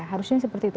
harusnya seperti itu